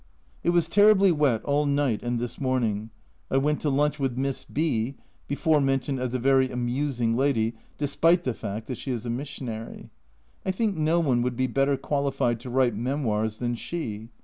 It was terribly wet all night and this morning ; I went to lunch with Miss B (before mentioned as a very amusing lady, despite the fact that she is a missionary). I think no one would be better qualified to write memoirs than she.